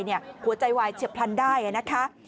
หัวใจวายเฉียบพลันได้นะคะ